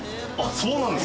そうなんです。